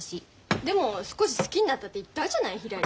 でも少し好きになったって言ったじゃないひらり。